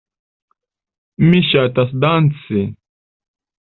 Mi ŝatas danci.